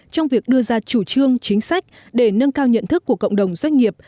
trong việc đưa ra chủ trương chính sách để nâng cao nhận thức của cộng đồng doanh nghiệp